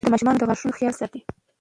هغوی د ماشومانو د غاښونو خیال ساتي.